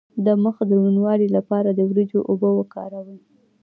د مخ د روڼوالي لپاره د وریجو اوبه وکاروئ